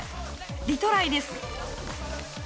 リトライです。